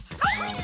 はい！